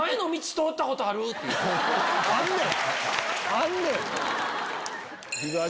あんねん！